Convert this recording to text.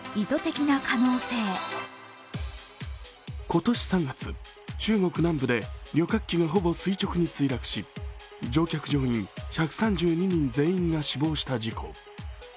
今年３月、中国南部で旅客機がほぼ垂直に墜落し、乗客・乗員１３２人全員が死亡した事故。